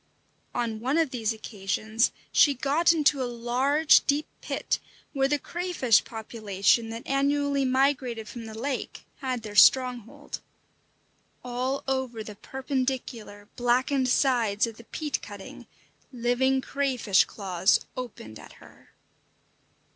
On one of these occasions she got into a large, deep pit, where the crayfish population that annually migrated from the lake had their stronghold. All over the perpendicular, blackened sides of the peat cutting living crayfish claws opened at her.